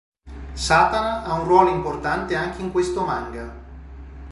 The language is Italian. Satana ha un ruolo importante anche in questo manga.